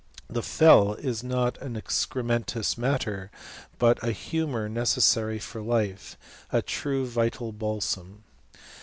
The fel is not an excrementitious matter, but a humour ne cessary to life, a true vital balsam.